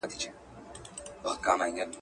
سپی یوازي تر ماښام پوري غپا کړي.